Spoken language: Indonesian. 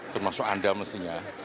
termasuk anda mestinya